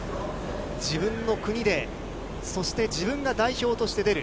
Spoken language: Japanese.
自分の国で、そして自分が代表として出る。